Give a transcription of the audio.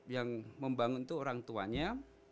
yang membangun itu orang tuanya